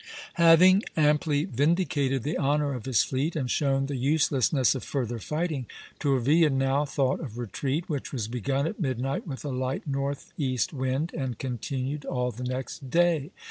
Having amply vindicated the honor of his fleet, and shown the uselessness of further fighting, Tourville now thought of retreat, which was begun at midnight with a light northeast wind and continued all the next day.